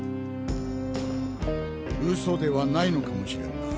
嘘ではないのかもしれんな。